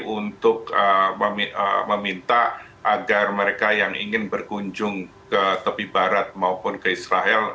untuk meminta agar mereka yang ingin berkunjung ke tepi barat maupun ke israel